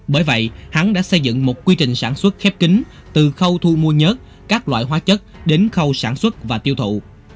bởi vậy hắn đã xây dựng một quy trình sản xuất khép kính từ khâu thu mua nhớt các loại hóa chất đến khâu sản xuất và tiêu thụ